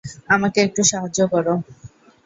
আমাকে একটু সাহায্য করো।